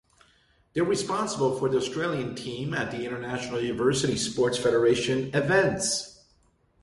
They are responsible for the Australian team at the International University Sports Federation events.